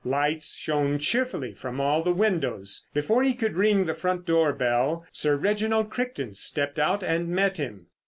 Lights shone cheerfully from all the windows. Before he could ring the front door bell Sir Reginald Crichton stepped out and met him.